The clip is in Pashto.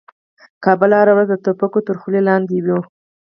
کابل هره ورځ د توپکو تر خولې لاندې و.